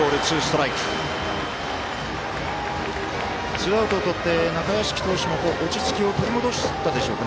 ツーアウトをとって中屋敷投手も落ち着きを取り戻したでしょうか。